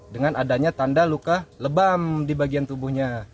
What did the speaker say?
dengan adanya tanda luka lebam di bagian tubuhnya